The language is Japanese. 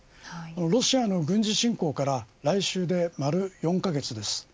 ロシアの軍事侵攻から来週で丸４カ月です。